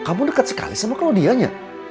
kamu dekat sekali sama klaudianya